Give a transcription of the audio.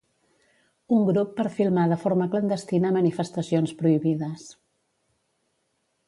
Un grup per filmar de forma clandestina manifestacions prohibides